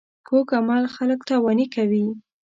کوږ عمل خلک تاواني کوي